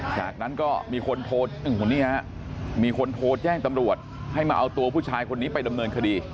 จากนั้นก็มีคนโทรนี่ฮะมีคนโทรแจ้งตำรวจให้มาเอาตัวผู้ชายคนนี้ไปดำเนินคดี